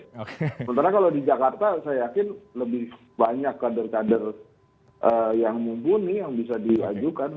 sementara kalau di jakarta saya yakin lebih banyak kader kader yang mumpuni yang bisa diajukan